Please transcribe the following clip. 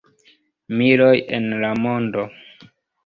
Miloj en la mondo.